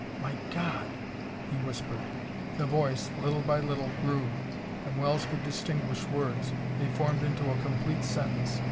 "My God!" he whispered. The voice, little by little, grew, and Wells could distinguish words. They formed into a complete sentence.